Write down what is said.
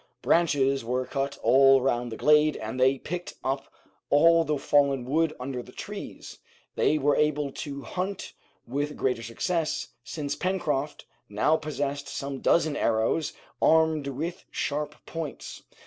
Branches were cut all round the glade, and they picked up all the fallen wood under the trees. They were also able to hunt with greater success, since Pencroft now possessed some dozen arrows armed with sharp points.